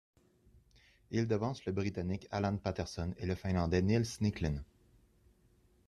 Il devance le Britannique Alan Paterson et le Finlandais Nils Nicklén.